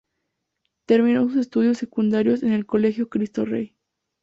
Terminó sus estudios secundarios en el Colegio Cristo Rey.